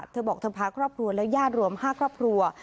เธอบอกเธอพาครอบครัวและญาติรวม๕ครอบครัว